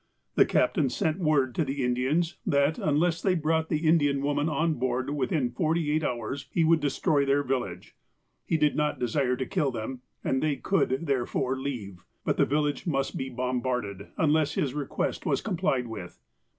The captain sent word to NOTABLE VISITORS 243 the Indians that, unless they brought the Indian woman on board within forty eight hours, he would destroy their village. He did not desire to kill them, and they could, therefore, leave ; but the village must be bombarded, unless his request was complied with.